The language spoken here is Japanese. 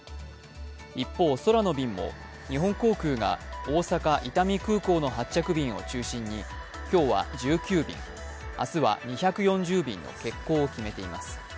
一方、空の便も日本航空が大阪・伊丹空港の発着便を中心に今日は１９便、明日は２４０便の欠航を決めています。